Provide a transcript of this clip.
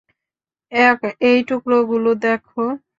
এই টুকরো গুলো দেখ।